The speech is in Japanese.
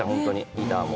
ギターも。